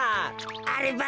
あれば。